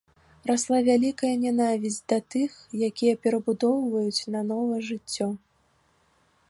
Расла вялікая нянавісць да тых, якія перабудоўваюць нанова жыццё.